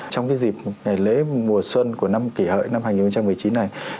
trong dịp ngày lễ mùa xuân của năm kỷ hợi năm hai nghìn một mươi chín này